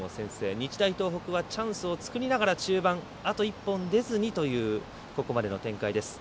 日大東北はチャンスを作りながら中盤、あと１本出ずにというここまでの展開です。